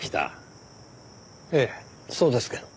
ええそうですけど。